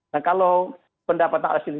nah kalau pendapatan asli